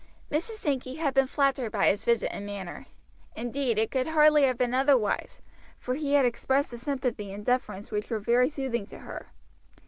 Mrs. Sankey had been flattered by his visit and manner; indeed it could hardly have been otherwise, for he had expressed a sympathy and deference which were very soothing to her.